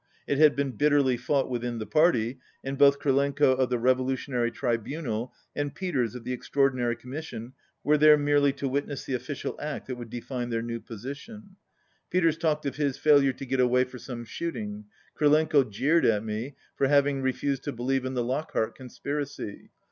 It had been bit terly fought within the party, and both Krylenko of the Revolutionary Tribunal and Peters of the Extraordinary Commission were there merely to witness the official act that would define their new position, Peters talked of his failure to get away 108 for some shooting; Krylenko jeered at me for having refused to believe in the Lockhart con spiracy.